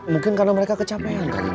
mungkin karena mereka kecapean kali ini